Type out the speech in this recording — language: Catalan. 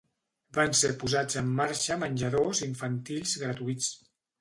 Van ser posats en marxa menjadors infantils gratuïts.